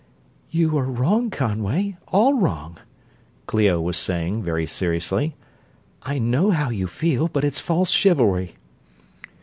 "You are wrong, Conway; all wrong," Clio was saying, very seriously. "I know how you feel, but it's false chivalry."